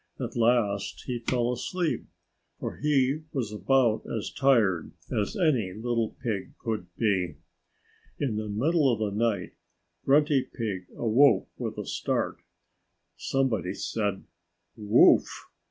At last he fell asleep, for he was about as tired as any little pig could be. In the middle of the night Grunty Pig awoke with a start. Somebody said "Woof!"